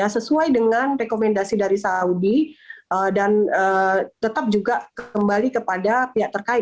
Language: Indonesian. sesuai dengan rekomendasi dari saudi dan tetap juga kembali kepada pihak terkait